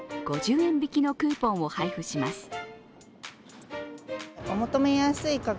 ５０円引きのクーポンを配布します。